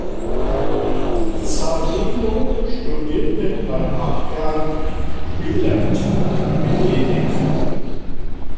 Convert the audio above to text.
Zarlino studierte bei Adrian Willaert in Venedig.